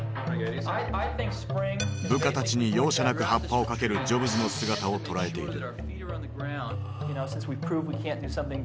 部下たちに容赦なくハッパをかけるジョブズの姿を捉えている。